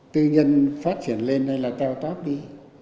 tư nhân phát triển lên hay là teo tóp đi